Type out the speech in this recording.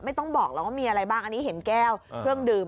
ไม่ต้องบอกหรอกว่ามีอะไรบ้างอันนี้เห็นแก้วเครื่องดื่ม